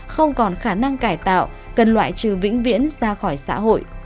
không còn khả năng cải tạo cần loại trừ vĩnh viễn ra khỏi xã hội